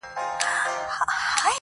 ملامت نۀ وه كۀ يى مخ كۀ يى سينه وهله،